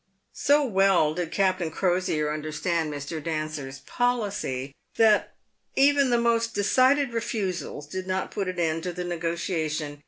So well did Captain Crosier understand Mr. Dancer's policy, that even the most decided refusals did not put an end to the ne gotiation.